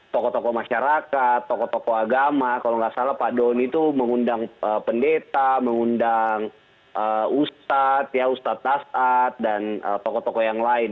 tokoh tokoh masyarakat tokoh tokoh agama kalau nggak salah pak doni itu mengundang pendeta mengundang ustadz ya ustadz nasad ⁇ dan tokoh tokoh yang lain